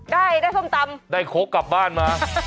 ได้ได้ส้มตำได้โค้กกลับบ้านมา